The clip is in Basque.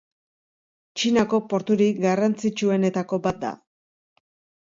Txinako porturik garrantzitsuenetako bat da.